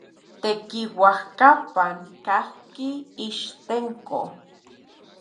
Tekiuajkapan kajki Ixtenco.